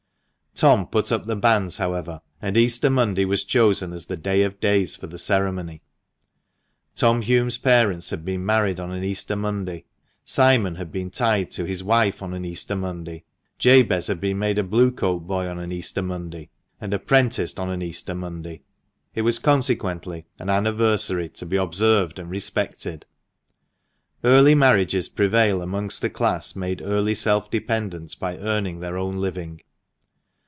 Tom put up the banns, however, and Easter Monday was chosen as the day of days for the ceremony. Tom Hulme's parents had been married on an Easter Monday, Simon had been tied to his wife on an Easter Monday, Jabez had been made a Blue coat boy on an Easter Monday, and 1 66 THE MANCHESTER MAN. apprenticed on an Easter Monday ; it was consequently an anniversary to be observed and respected. Early marriages prevail amongst the class made early self dependent by earning their own living.